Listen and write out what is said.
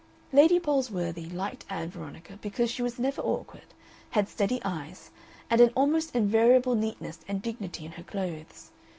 Lady Palsworthy liked Ann Veronica because she was never awkward, had steady eyes, and an almost invariable neatness and dignity in her clothes.